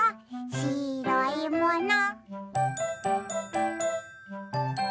しろいもの？」